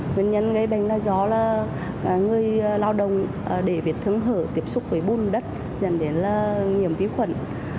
nguyên nhân gây bệnh là do người lao động để việc thương hở tiếp xúc với bùn đất dần đến nhiễm vi khuẩn